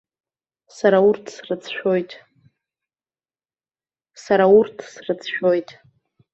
Сара урҭ срыцәшәоит.